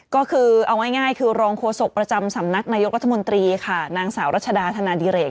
ก็คือเอาง่ายคือรองโฆษกประจำสำนักนายกรัฐมนตรีค่ะนางสาวรัชดาธนาดิเรก